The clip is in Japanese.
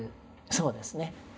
そうですね。